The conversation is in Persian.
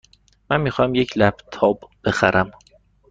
من می خواهم یک لپ تاپ بخرم.